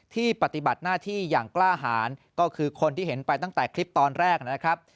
ปฏิบัติหน้าที่อย่างกล้าหารก็คือคนที่เห็นไปตั้งแต่คลิปตอนแรกนะครับ